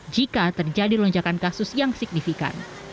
jika terjadi lonjakan kasus yang signifikan